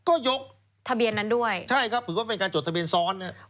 ก็ยกทะเบียนนั้นด้วยใช่ครับถือว่าเป็นการจดทะเบียนซ้อนนะครับ